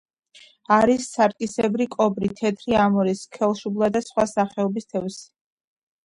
არის სარკისებრი კობრი, თეთრი ამური, სქელშუბლა და სხვა სახეობის თევზი.